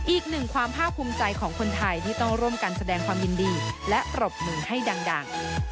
อีกหนึ่งความภาคภูมิใจของคนไทยที่ต้องร่วมกันแสดงความยินดีและปรบมือให้ดัง